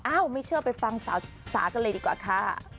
ไม่เชื่อไปฟังสาวจ๋ากันเลยดีกว่าค่ะ